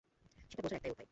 সেটা বোঝার একটাই উপায়।